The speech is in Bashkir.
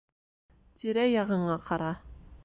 Тирә-яғыңа ҡара.